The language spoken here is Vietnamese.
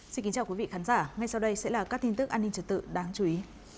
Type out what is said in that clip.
xin kính chào quý vị khán giả ngay sau đây sẽ là các tin tức an ninh trật tự đáng chú ý